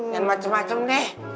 dan macem macem deh